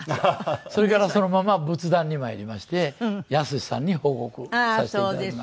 それからそのまま仏壇に参りましてやすしさんに報告させていただきました。